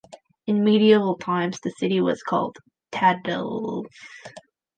In medieval times, the city was called Tedelles.